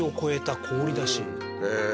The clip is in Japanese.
へえ。